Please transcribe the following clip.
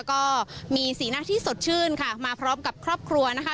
ก็มีสีหน้าที่สดชื่นค่ะมาพร้อมกับครอบครัวนะคะ